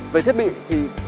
về thiết bị thì